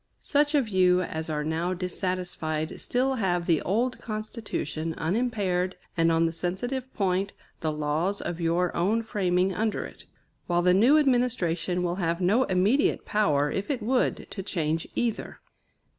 Such of you as are now dissatisfied still have the old Constitution unimpaired, and on the sensitive point, the laws of your own framing under it; while the new administration will have no immediate power, if it would, to change either.